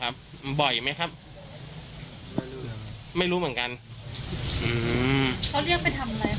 ไปทำงานไปทำอะไร